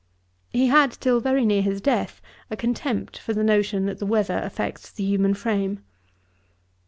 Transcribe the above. He had, till very near his death, a contempt for the notion that the weather affects the human frame.